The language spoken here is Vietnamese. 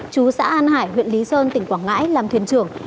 chú xã an hải huyện lý sơn tỉnh quảng ngãi làm thuyền trưởng